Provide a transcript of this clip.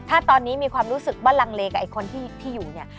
ถ้าตอนนี้มีความรู้สึกว่าลังเลกับไอ้คนที่อยู่เนี่ย